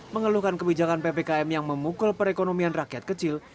mengeluhkan kebijakan ppkm yang memukul perekonomian rakyat kecil